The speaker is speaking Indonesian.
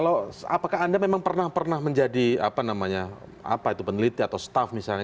apakah anda memang pernah menjadi peneliti atau staff misalnya